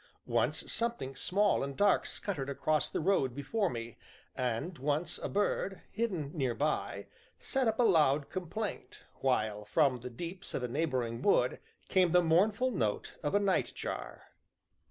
Once, something small and dark scuttered across the road before me, and once a bird, hidden near by, set up a loud complaint, while, from the deeps of a neighboring wood, came the mournful note of a night jar.